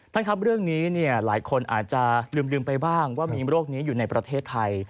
ท่านครับเรื่องนี้หลายคนอาจจะลืมไปบ้างว่ามีโรคนี้อยู่ในประเทศไทย